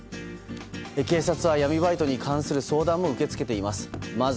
警察は闇バイトに関する相談も受け付けています。